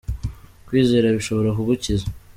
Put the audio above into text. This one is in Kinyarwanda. Kwizera bishobora kugukiza.